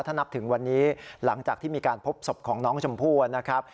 ถ้านับถึงวันนี้หลังจากที่มีการพบศพของน้องชมพู่นะครับ